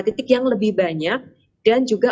titik yang lebih banyak dan juga